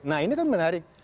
nah ini kan menarik